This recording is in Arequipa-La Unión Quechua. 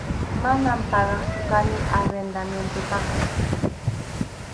Manam pagaqchu kani arrendamientotaqa.